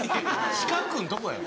近くんとこやろ。